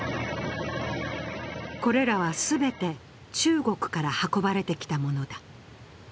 これらは全て中国から運ばれてきたものだ。